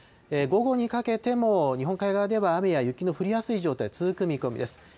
午後にかけても、日本海側では、雨や雪の降りやすい状態、続く見込みです。